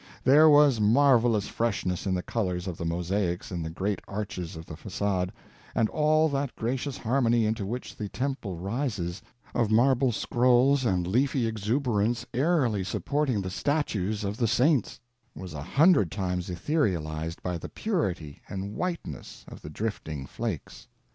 There was marvelous freshness in the colors of the mosaics in the great arches of the facade, and all that gracious harmony into which the temple rises, of marble scrolls and leafy exuberance airily supporting the statues of the saints, was a hundred times etherealized by the purity and whiteness of the drifting flakes.